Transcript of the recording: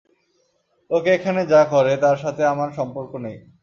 লোকে এখানে যা করে, তার সাথে আমার সম্পর্ক নেই।